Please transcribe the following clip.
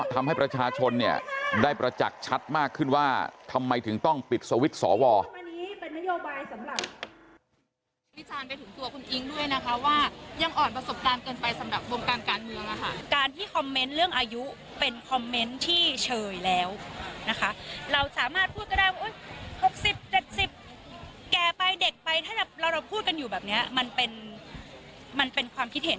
ทำให้ประชาชนเนี่ยได้ประจักษ์ชัดมากขึ้นว่าทำไมถึงต้องปิดสวิตช์สว